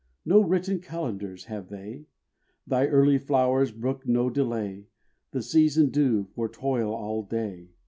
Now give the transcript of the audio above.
No written calendars have they, Thy early flow'rs brook no delay, The season due, for toil all day.